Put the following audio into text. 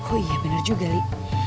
oh iya bener juga li